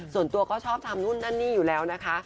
ส่วนตัวก็ชอบทำนู่นนั่นนี่อยู่แล้วนะคะ